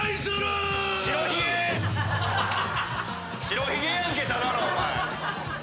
白ひげやんけただのお前。